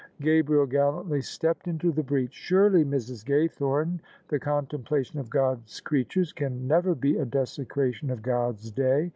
Gabriel gallantly stepped into the breach. " Surely, Mrs. Gaythome, the contemplation of God's creatures can never be a desecration of God's day.